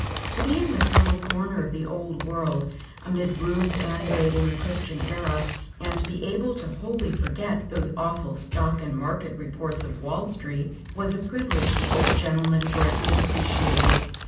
To be in this little corner of the old world, amid ruins antedating the Christian era, and able to wholly forget those awful stock and market reports of Wall street, was a privilege the old gentleman greatly appreciated.